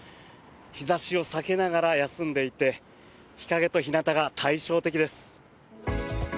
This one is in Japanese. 日差しを避けながら休んでいて日陰と日なたが対照的です。